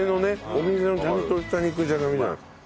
お店のちゃんとした肉じゃがみたい。